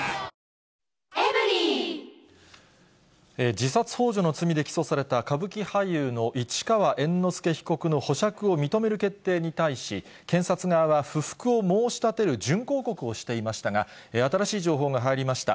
自殺ほう助の罪で起訴された歌舞伎俳優の市川猿之助被告の保釈を認める決定に対し、検察側は不服を申し立てる準抗告をしていましたが、新しい情報が入りました。